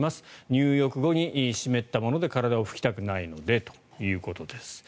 入浴後に湿ったもので体を拭きたくないのでということです。